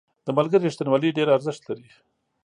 • د ملګري رښتینولي ډېر ارزښت لري.